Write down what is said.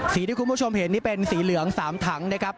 สีที่คุณผู้ชมเห็นนี่เป็นสีเหลือง๓ถังนะครับ